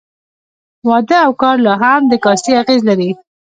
واده او کار لا هم د کاستي اغېز لري.